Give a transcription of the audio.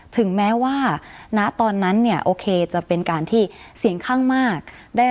ถึงแม้ว่าณตอนนั้นเนี่ยโอเคจะเป็นการที่เสียงข้างมาก